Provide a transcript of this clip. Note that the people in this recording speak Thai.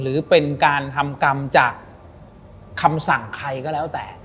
หรือเป็นการทำกรรมจากคำสั่งใครก็แล้วแต่